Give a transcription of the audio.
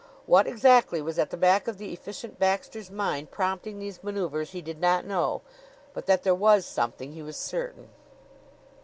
What exactly was at the back of the Efficient Baxter's mind prompting these maneuvers he did not know; but that there was something he was certain.